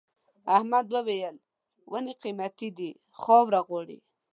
احمد وويل: ونې قيمتي دي خاوره غواړي.